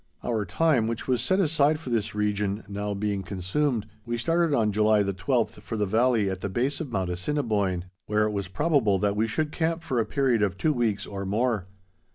Our time, which was set aside for this region, now being consumed, we started on July the twelfth for the valley at the base of Mount Assiniboine, where it was probable that we should camp for a period of two weeks or more.